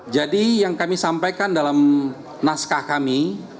jadi yang kami sampaikan dalam naskah kami